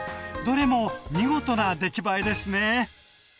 どれも見事な出来栄えですね